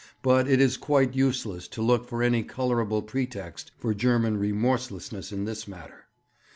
But it is quite useless to look for any colourable pretext for German remorselessness in this matter.